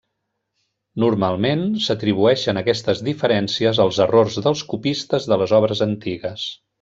Normalment, s'atribueixen aquestes diferències als errors dels copistes de les obres antigues.